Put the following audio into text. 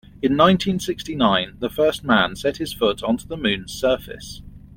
In nineteen-sixty-nine the first man set his foot onto the moon's surface.